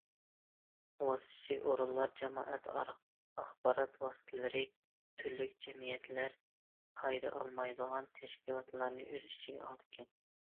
ۋاسىتىچى ئورۇنلار جامائەت ئاخبارات ۋاسىتىلىرى، تۈرلۈك جەمئىيەتلەر، پايدا ئالمايدىغان تەشكىلاتلارنى ئۆز ئىچىگە ئالىدىكەن.